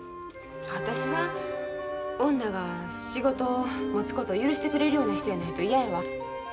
私は女が仕事を持つことを許してくれるような人やないと嫌やわ。